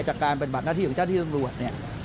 จากการปฏิบัติหน้าที่ของเจ้าที่ตำรวจเนี่ย